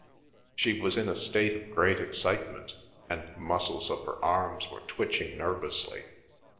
She was in a state of great excitement, and the muscles of her arms were twitching nervously.